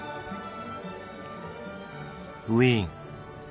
ウィーン。